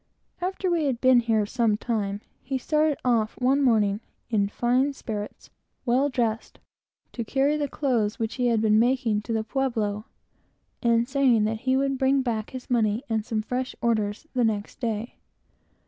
After we had been here some time, he started off one morning, in fine spirits, well dressed, to carry the clothes which he had been making to the pueblo, and saying he would bring back his money and some fresh orders the next day.